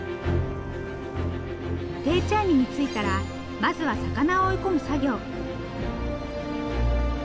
定置網に着いたらまずは魚を追い込む作業。